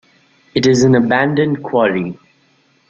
It is an abandoned Quarry.